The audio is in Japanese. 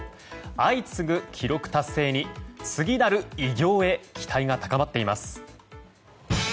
相次ぐ記録達成に次なる偉業へ期待が高まっています。